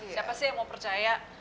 siapa sih yang mau percaya